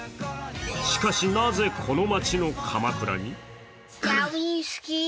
しかし、なぜこの町のかまくらに？